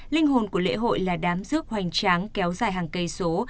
linh hồn của lễ hội là đám rước hoành tráng kéo dài hàng cây số